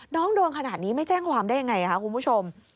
โดนขนาดนี้ไม่แจ้งความได้ยังไงคะคุณผู้ชม